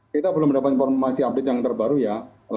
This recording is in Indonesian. kita belum mendapat informasi update yang terbaru ya